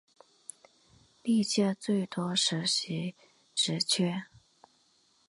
历届最多的实习职缺